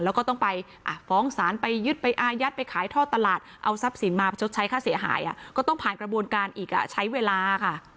แล้วก็ต้องไปฟ้องศาลไปยึดไปอายัดไปขายท่อตลาดเอาทรัพย์สินมาชดใช้ค่าเสียหายก็ต้องผ่านกระบวนการอีกใช้เวลาค่ะ